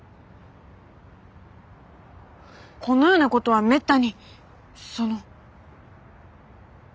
このようなことはめったにその。